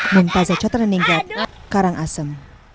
mempazah cataran ningkat karangasem